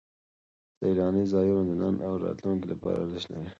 سیلاني ځایونه د نن او راتلونکي لپاره ارزښت لري.